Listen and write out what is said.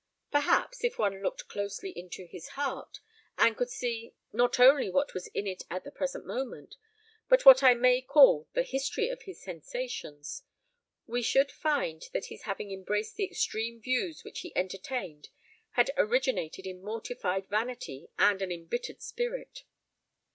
Perhaps, if one looked closely into his heart, and could see, not only what was in it at the present moment, but what I may call the history of his sensations, we should find that his having embraced the extreme views which he entertained had originated in mortified vanity and an embittered spirit.